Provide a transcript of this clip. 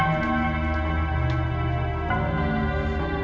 izinkan di sini